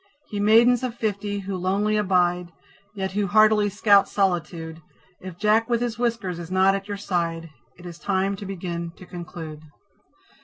Ye Maidens of Fifty, who lonely abide, Yet who heartily scout solitude, If Jack with his whiskers is not at your side, It is time to begin to conclude.